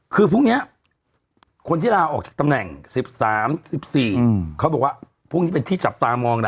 คือพรุ่งนี้คนที่ลาออกจากตำแหน่ง๑๓๑๔เขาบอกว่าพรุ่งนี้เป็นที่จับตามองนะ